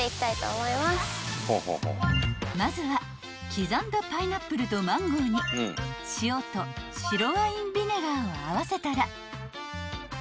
［まずは刻んだパイナップルとマンゴーに塩と白ワインビネガーを合わせたら］